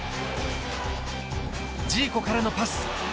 ジーコからのパス。